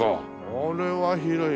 これは広い。